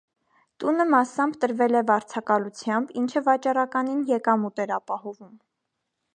Տունը մասամբ տրվել է վարձակալությամբ, ինչը վաճառականին եկամուտ էր ապահովում։